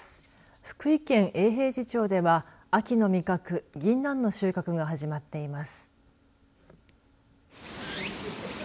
福井県永平寺町では秋の味覚ぎんなんの収穫が始まっています。